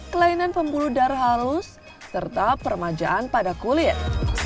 kelainan pembuluh darah halus serta permajaan pada kulit